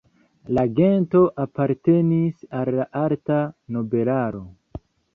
La gento apartenis al la alta nobelaro.